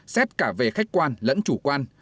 xét cả về khách quan lẫn chủ quan